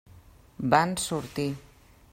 Van sortir.